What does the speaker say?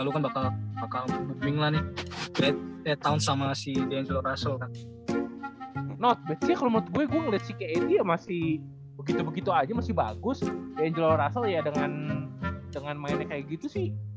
russell not basic lemot gue gue masih begitu begitu aja masih bagus dengan dengan main kayak gitu sih